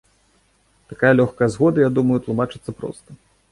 Такая лёгкая згода, я думаю, тлумачыцца проста.